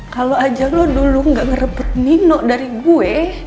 kalau aja lo dulu nggak ngerebut nino dari gue